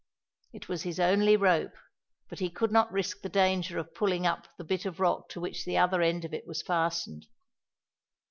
It was his only rope, but he could not risk the danger of pulling up the bit of rock to which the other end of it was fastened.